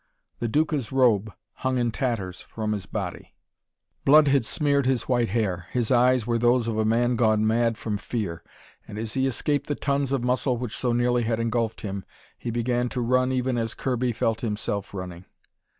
The Duca's robe hung in tatters from his body. Blood had smeared his white hair. His eyes were those of a man gone mad from fear. And as he escaped the tons of muscle which so nearly had engulfed him, he began to run even as Kirby felt himself running.